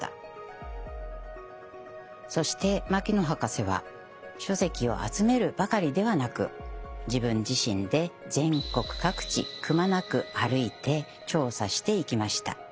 そして牧野博士は書籍を集めるばかりではなく自分自身で全国各地くまなく歩いて調査していきました。